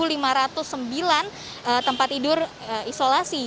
lalu perkembangannya dari enam lima ratus sembilan tempat tidur isolasi